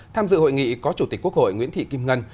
tham dự hội nghị có chủ tịch quốc hội nguyễn thị kim ngân